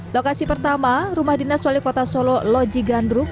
lokasi pertama rumah dinas wali kota solo lodji gandruk